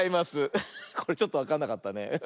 これちょっとわかんなかったね。